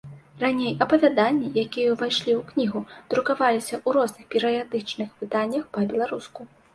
Раней апавяданні, якія ўвайшлі ў кнігу, друкаваліся ў розных перыядычных выданнях па-беларуску.